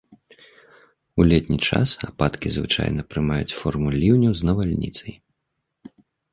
У летні час ападкі звычайна прымаюць форму ліўняў з навальніцай.